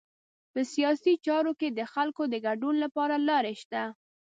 په سیاسي چارو کې د خلکو د ګډون لپاره لارې شته.